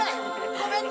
ごめんね！